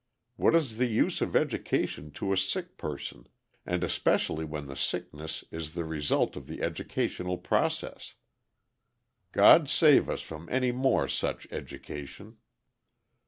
What is the use of education to a sick person, and especially when the sickness is the result of the educational process. God save us from any more such education!